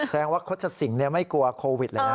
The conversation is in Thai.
แปลงว่าคตชศิงไม่กลัวโควิดเลยนะ